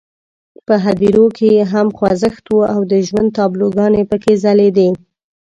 په هدیرو کې یې هم خوځښت وو او د ژوند تابلوګانې پکې ځلېدې.